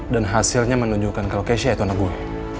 dan hasilnya menunjukkan kalau keisha itu anak gue